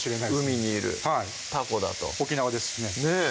海にいるタコだと沖縄ですしねねぇ